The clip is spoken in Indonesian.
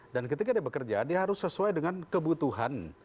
dan ketika dia bekerja dia harus sesuai dengan kebutuhan